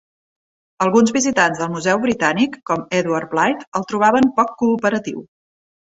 Alguns visitants del Museu Britànic, com Edward Blyth, el trobaven poc cooperatiu.